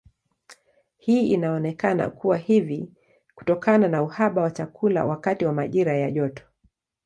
Hii inaonekana kuwa hivi kutokana na uhaba wa chakula wakati wa majira ya joto.